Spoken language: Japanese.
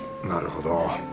なるほど。